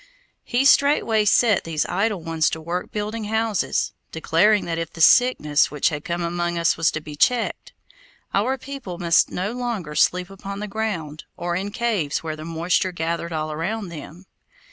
He straightway set these idle ones to work building houses, declaring that if the sickness which had come among us was to be checked, our people must no longer sleep upon the ground, or in caves where the moisture gathered all around them.